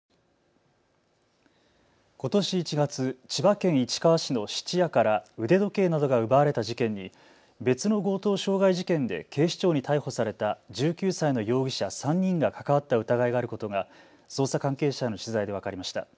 ことし１月、千葉県市川市の質屋から腕時計などが奪われた事件に別の強盗傷害事件で警視庁に逮捕された１９歳の容疑者３人が関わった疑いがあることが捜査関係者への取材で分かりました。